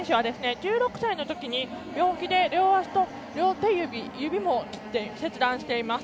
１６歳のとき病気で両足と両手指指も切断しています。